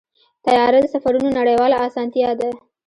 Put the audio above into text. طیاره د سفرونو نړیواله اسانتیا ده.